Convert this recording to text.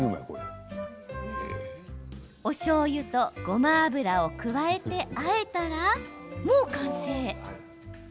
おしょうゆとごま油を加えてあえたら、もう完成。